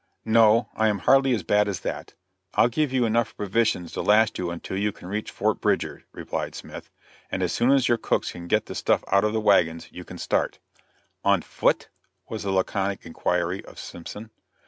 "No; I hardly am as bad as that. I'll give you enough provisions to last you until you can reach Fort Bridger," replied Smith; "and as soon as your cooks can get the stuff out of the wagons, you can start." "On foot?" was the laconic inquiry of Simpson.